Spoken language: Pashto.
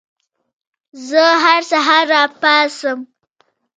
زه هر سهار راپاڅم.